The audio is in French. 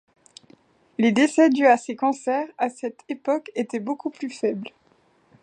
Les décès dus à ces cancers à cette époque étaient beaucoup plus faibles.